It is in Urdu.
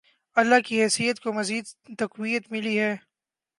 اللہ کی حیثیت کو مزید تقویت ملی ہے۔